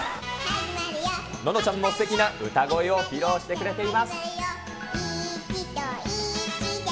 ののちゃんもすてきな歌声を披露してくれています。